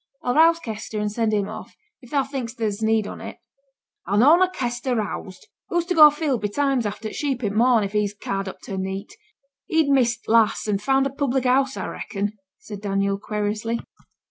I'll rouse Kester, and send him off, if thou think'st there's need on it.' 'A'll noan ha' Kester roused. Who's to go afield betimes after t' sheep in t' morn, if he's ca'ed up to neet? He'd miss t' lass, and find a public house, a reckon,' said Daniel, querulously.